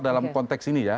dalam konteks ini ya